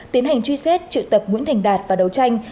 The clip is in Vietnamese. tiến hành truy xét triệu tập nguyễn thành đạt và đấu tranh